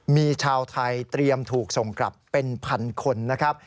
มีชาวไทยเตรียมถูกส่งกลับเป็นพันคนนะครับ